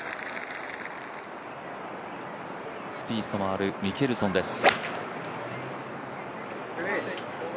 スピースと回るミケルソンです。